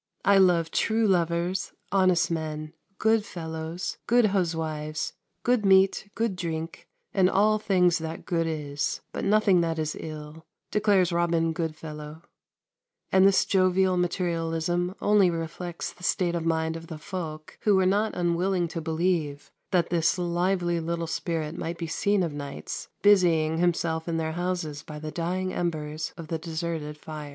"I love true lovers, honest men, good fellowes, good huswives, good meate, good drinke, and all things that good is, but nothing that is ill," declares Robin Goodfellow; and this jovial materialism only reflects the state of mind of the folk who were not unwilling to believe that this lively little spirit might be seen of nights busying himself in their houses by the dying embers of the deserted fire.